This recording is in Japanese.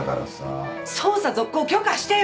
捜査続行許可してよ。